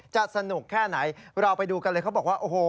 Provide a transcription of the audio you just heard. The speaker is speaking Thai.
มาดูเจ้าหมาดื้อกันบ้าง